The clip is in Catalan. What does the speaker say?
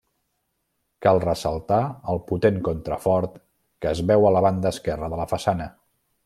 Cal ressaltar el potent contrafort que es veu a la banda esquerra de la façana.